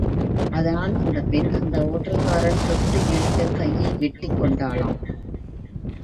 அதனால் அந்த பெண், அந்த ஓட்டல்காரன் தொட்டு இழுத்தக் கையை வெட்டிக் கொண்டாளாம்.